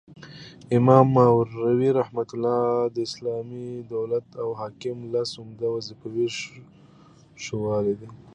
امام ماوردي رحمه الله د اسلامي دولت او حاکم لس عمده وظيفي ښوولي دي